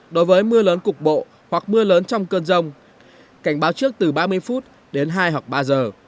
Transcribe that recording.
đối với mưa lớn cục bộ hoặc mưa lớn trong cơn rông cảnh báo trước từ ba mươi phút đến hai hoặc ba giờ